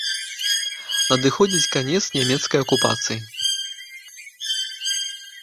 Надыходзіць канец нямецкай акупацыі.